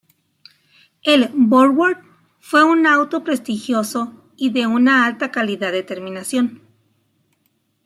El Borgward fue un auto prestigioso y de una alta calidad de terminación.